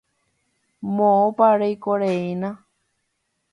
Moõpa reikoreína.